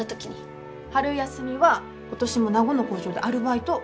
春休みは今年も名護の工場でアルバイト。